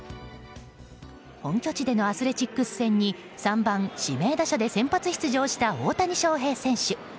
本拠地でのアスレチックス戦に３番指名打者で先発出場した大谷翔平選手。